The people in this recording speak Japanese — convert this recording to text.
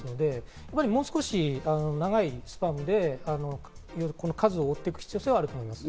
もう少し長いスパンで数を追って行く必要性はあると思います。